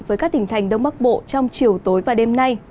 với các tỉnh thành đông bắc bộ trong chiều tối và đêm nay